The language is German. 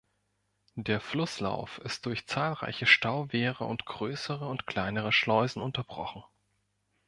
Der Flusslauf ist durch zahlreiche Stauwehre und größere und kleine Schleusen unterbrochen.